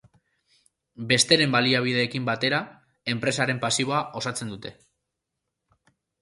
Besteren baliabideekin batera enpresaren pasiboa osatzen dute.